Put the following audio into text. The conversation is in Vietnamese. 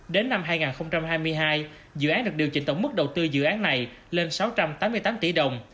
đến năm hai nghìn hai mươi hai dự án được điều chỉnh tổng mức đầu tư dự án này lên sáu trăm tám mươi tám tỷ đồng